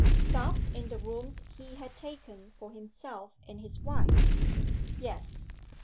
Stopped in the rooms he had taken for himself and his wife?" "Yes."